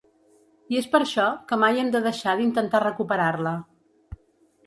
I és per això que mai hem de deixar d'intentar recuperar-la.